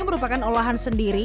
merupakan olahan sendiri